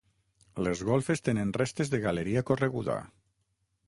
Les golfes tenen restes de galeria correguda.